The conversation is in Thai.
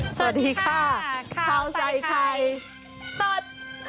สวัสดีค่ะข้าวใส่ไข่สด